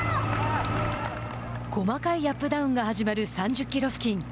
細かいアップダウンが始まる３０キロ付近。